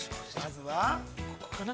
ここかな？